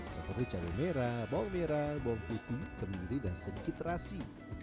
seperti cabai merah bawang merah bawang putih kemiri dan sedikit terasi